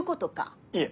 いえ！